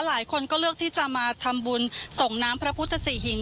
หลายคนก็เลือกที่จะมาทำบุญส่งน้ำพระพุทธศรีหิง